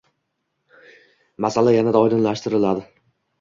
masala yanada oydinlashtiriladi.